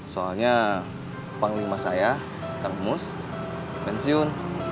soalnya panglima saya kang mus pensiun